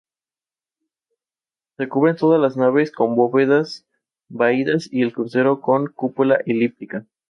Además el cambio lingüístico difiere de generación en generación.